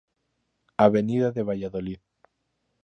Avenida de Valladolid.